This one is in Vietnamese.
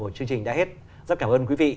của chương trình đã hết rất cảm ơn quý vị